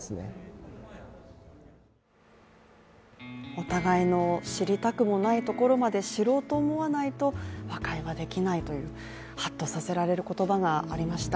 お互いの知りたくもないところまで知ろうと思わないと和解はできないというはっとさせられる言葉がありました。